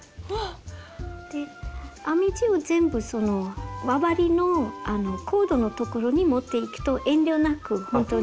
編み地を全部その周りのコードのところに持っていくと遠慮なくほんとに。